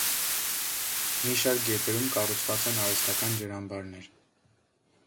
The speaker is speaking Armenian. Մի շարք գետերում կառուցված են արհեստական ջրամբարներ։